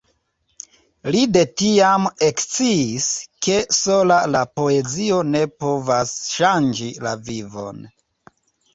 Li de tiam eksciis, ke sola la poezio ne povas ŝanĝi la vivon.